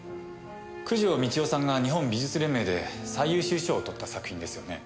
九条美千代さんが日本美術連盟で最優秀賞を取った作品ですよね？